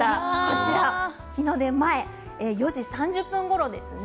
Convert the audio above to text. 日の出前、４時３０分ごろですね。